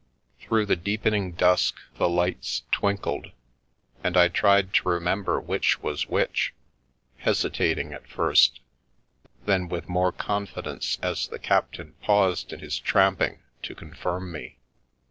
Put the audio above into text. Through the deepening dusk the lights twin kled, and I tried to remember which was which, hesi tating at first, then with more confidence as the captain paused in his tramping to confirm me.